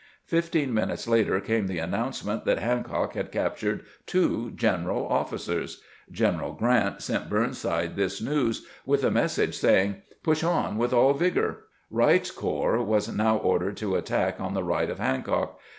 Fifteen minutes later came the announcement that Hancock had captured two general officers. Gren eral Grant sent Burnside this news with a message say ing, "Push on with all vigor." Wright's corps was now ordered to attack on the right of Hancock.